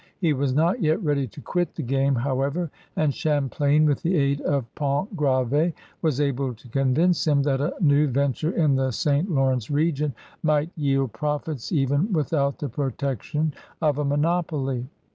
He was not yet ready to quit the game, however, and Champlain with the aid of Pontgrav6 was able to convince him that a new venture in the St. Lawrence region might yield profits even without the protection of a monopoly.